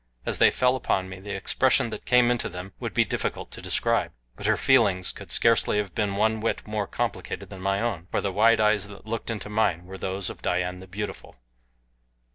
As they fell upon me the expression that came into them would be difficult to describe; but her feelings could scarcely have been one whit more complicated than my own for the wide eyes that looked into mine were those of Dian the Beautiful.